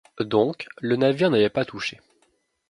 Donc, le navire n’avait pas touché.